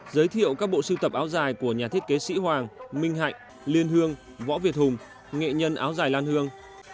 giới thiệu các bộ sưu tập áo dài của nhà thiết kế sĩ hoàng minh hạnh liên hương võ việt hùng nghệ nhân áo dài lan hương